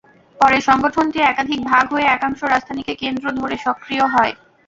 পরে সংগঠনটি একাধিক ভাগ হয়ে একাংশ রাজধানীকে কেন্দ্র ধরে সক্রিয় হয়।